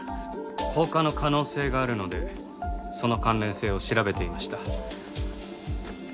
放火の可能性があるのでその関連性を調べていました。